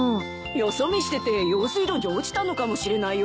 よそ見してて用水路に落ちたのかもしれないよ。